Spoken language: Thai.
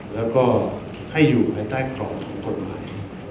และให้อยู่ในใต้กรองของคลบหมาย